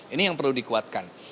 ini yang perlu dikuatkan